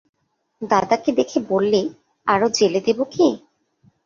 দাদাকে দেখে বললে, আলো জ্বেলে দেব কি?